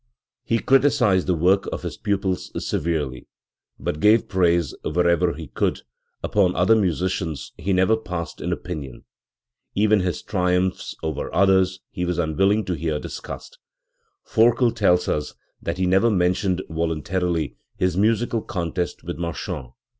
He criticised the work of his pupils severely, but gave praise wherever he could; upon other musicians he never passed an opinion. Even his triumphs over others he was unwilling to hear discussed. Forkel tells us that he never mentioned voluntarily his musical contest with Marchand*.